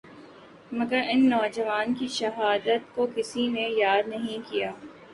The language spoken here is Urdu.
مگر ان جوانوں کی شہادت کو کسی نے یاد نہیں کیا